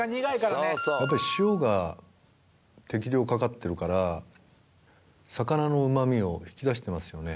やっぱり塩が適量かかってるから魚のうまみを引き出してますよね